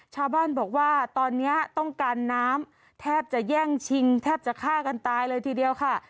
ชาวบ้านบอกว่าตอนนี้ต้องการน้ำแทบจะแย่งชิงแทบจะฆ่ากันตายเลยทีเดียวค่ะ